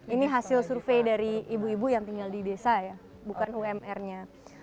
ini hasil survei dari ibu ibu yang tinggal di desa ya bukan umr nya